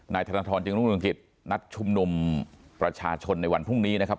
ธนทรจึงรุ่งเรืองกิจนัดชุมนุมประชาชนในวันพรุ่งนี้นะครับ